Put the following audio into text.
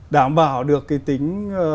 đảm bảo được cái tính